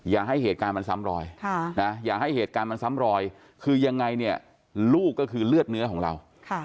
อย่าให้เหตุการณ์มันซ้ำรอยคือยังไงเนี่ยลูกก็คือเลือดเนื้อของเรา